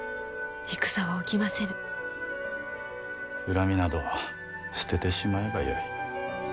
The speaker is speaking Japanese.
恨みなど捨ててしまえばよい。